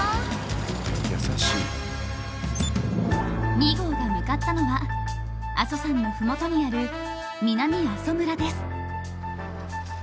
２号が向かったのは阿蘇山の麓にある南阿蘇村です。